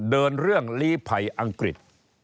เดินเรื่องลีภัยอังกฤษ